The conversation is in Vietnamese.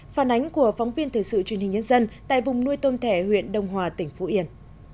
phản ánh của phóng viên thời sự truyền hình nhân dân tại vùng nuôi tôm thẻ huyện đông hòa tỉnh phú yên